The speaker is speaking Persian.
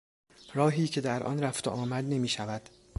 راهی که در آن رفت و آمد نمیشود